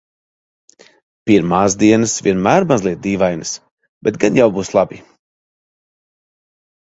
Pirmās dienas vienmēr mazliet dīvainas, bet gan jau būs labi.